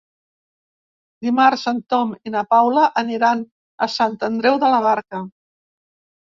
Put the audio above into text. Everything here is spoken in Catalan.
Dimarts en Tom i na Paula aniran a Sant Andreu de la Barca.